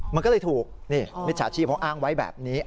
มันก็เลยถูกนี่มิจฉาชีพเขาอ้างไว้แบบนี้